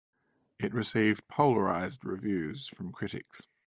It received polarized reviews from critics.